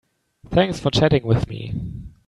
Thanks for chatting with me.